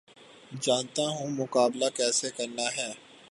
جانتا ہوں مقابلہ کیسے کرنا ہے